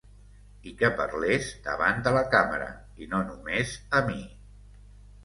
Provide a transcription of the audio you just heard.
I que parlés davant de càmera, i no només a mi.